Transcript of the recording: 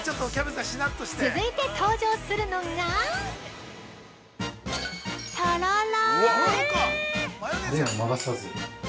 続いて登場するのがとろろ。